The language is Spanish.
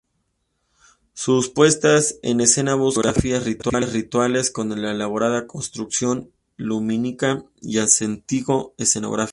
Sus puestas en escena buscan coreografías rituales, con elaborada construcción lumínica y ascetismo escenográfico.